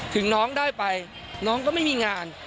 ถึงน้องได้ไปน้องก็ไม่มีงาน